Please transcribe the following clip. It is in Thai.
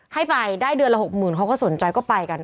ให้ไปได้เดือนละ๖๐๐๐เขาก็สนใจก็ไปกัน